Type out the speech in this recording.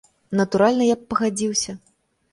Натуральна, я б пагадзіўся!